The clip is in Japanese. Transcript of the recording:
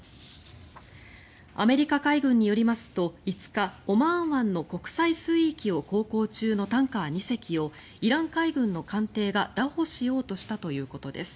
アメリカ海軍によりますと５日オマーン湾の国際水域を航行中のタンカー２隻をイラン海軍の艦艇がだ捕しようとしたということです。